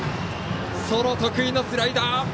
得意のスライダー。